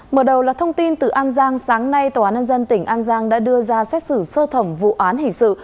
mở đầu là thông tin từ an giang sáng nay tòa án nhân dân tỉnh an giang đã đưa ra xét xử sơ thẩm vụ án hình sự